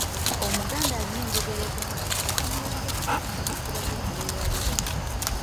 Omuganda alina enjogera egamba nti otunula ng'ekikutuzi ekirabye eyeeyalira.